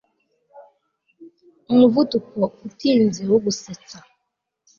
Umuvuduko utinze wo gusetsa